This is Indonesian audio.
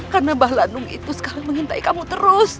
karena mbah lanu itu sekarang mengintai kamu terus